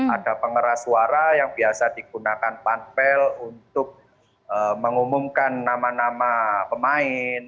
ada pengeras suara yang biasa digunakan panpel untuk mengumumkan nama nama pemain